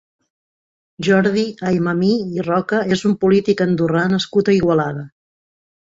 Jordi Aymamí i Roca és un polític andorrà nascut a Igualada.